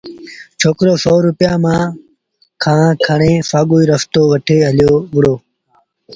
ڇوڪرو سو روپيآ مآ کآݩ کڻي سآڳوئيٚ رستو وٺي هليو وهُڙو